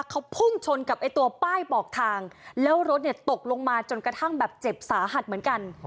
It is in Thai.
เขาพุ่งชนกับไอ้ตัวป้ายบอกทางแล้วรถเนี่ยตกลงมาจนกระทั่งแบบเจ็บสาหัสเหมือนกัน